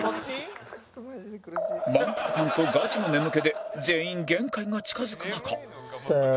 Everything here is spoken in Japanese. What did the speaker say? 満腹感とガチの眠気で全員限界が近づく中なんだよ。